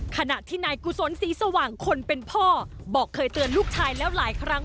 ขณะที่นายกุศลศรีสว่างคนเป็นพ่อบอกเคยเตือนลูกชายแล้วหลายครั้ง